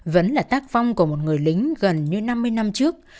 vẫn là tác phong của một người lính gần như năm mươi năm trước